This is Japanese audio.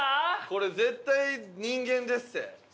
これ絶対人間でっせ。